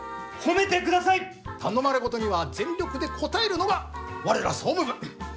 頼まれ事には全力で応えるのが我ら総務部。